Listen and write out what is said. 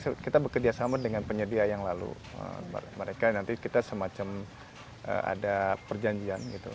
kita bekerjasama dengan penyedia yang lalu mereka nanti kita semacam ada perjanjian gitu